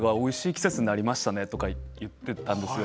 季節になりましたねって言っていたんです。